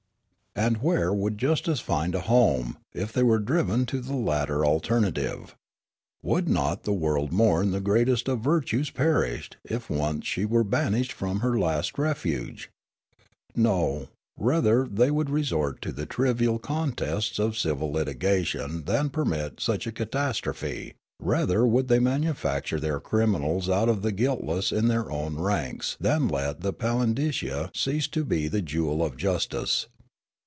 And where would justice find a home, if they were driven to the latter alternative ? Would not the world mourn the greatest of virtues perished, if once she were banished from her last refuge ? No, rather would they resort to the trivial contests of civil litigation than per mit such a catastrophe; rather would they manufacture their criminals out of the guiltless in their own ranks than let Palindicia cease to be the jewel of justice.